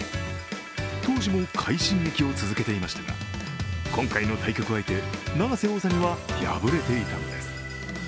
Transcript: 当時も快進撃を続けていましたが今回の対局相手、永瀬王座には敗れていたのです。